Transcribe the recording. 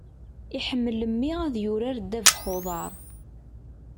Iḥemmel mmi ad yurar ddabex n uḍar.